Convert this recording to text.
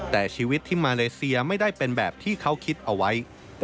แต่ชีวิตที่มาเลเซียไม่ได้เป็นแบบที่เขาคิดเอาไว้